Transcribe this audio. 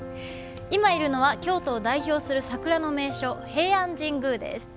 今いるのは京都を代表する桜の名所平安神宮です。